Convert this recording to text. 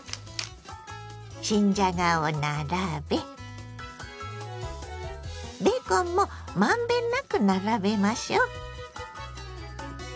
新じゃがを並べベーコンもまんべんなく並べましょう。